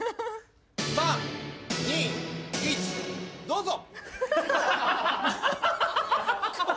どうぞ。